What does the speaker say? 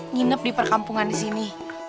nginep di perkampungan disini